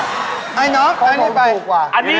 น้องไอ้น้องไป